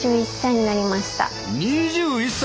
２１歳！